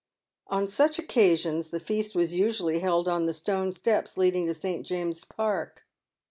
On such occasions the feast was usually held on the stone steps leading to St. James's Park.